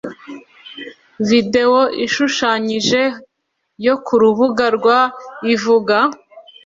videwo ishushanyije yo ku rubuga rwa ivuga